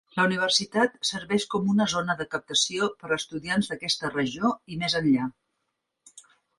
La universitat serveix com una zona de captació per a estudiants d'aquesta regió i més enllà.